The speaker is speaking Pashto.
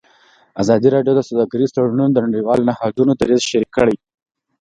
ازادي راډیو د سوداګریز تړونونه د نړیوالو نهادونو دریځ شریک کړی.